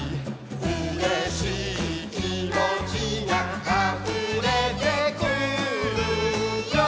「うれしいきもちがあふれてくるよ」